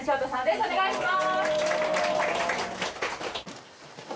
お願いします！